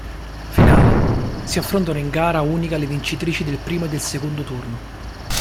Finale: si affrontano in gara unica le vincitrici del primo e del secondo turno.